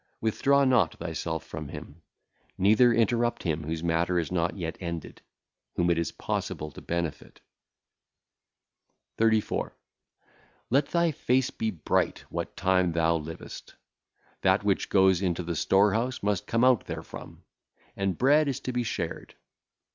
Withdraw not thyself from him, neither interrupt (?) him whose matter is not yet ended, whom it is possible to benefit. 34. Let thy face be bright what time thou livest. That which goeth into the storehouse must come out therefrom; and bread is to be shared.